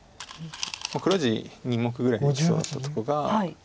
黒地２目ぐらいできそうだったとこが。